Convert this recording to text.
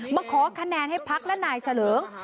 มาขอคะแนนให้พักและนายเฉลิง